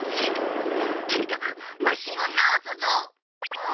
とにかくマシンを直すぞ！